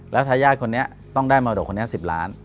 แล้วทายาทคนนี้ต้องได้มรดกคนนี้๑๐ล้าน